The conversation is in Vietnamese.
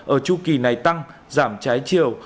ở chu kỳ này tăng giảm trái chiều